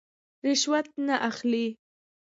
رشوت نه اخلي.